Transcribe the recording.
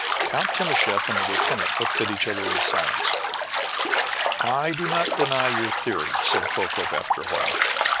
Count Timascheff and the lieutenant looked at each other in silence. "I do not deny your theory," said Procope after a while.